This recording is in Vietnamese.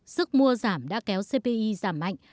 sức mua giảm đã kéo cpi giảm mạnh